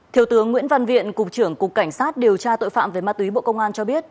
thiếu tướng nguyễn văn viện cục trưởng cục cảnh sát điều tra tội phạm về ma túy bộ công an cho biết